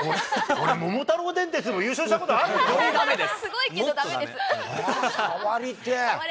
俺、桃太郎電鉄でも優勝したことあるよ。戻りました。